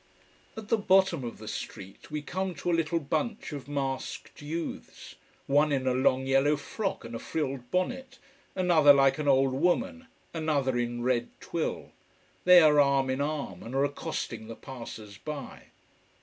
At the bottom of the street we come to a little bunch of masked youths, one in a long yellow frock and a frilled bonnet, another like an old woman, another in red twill. They are arm in arm and are accosting the passers by.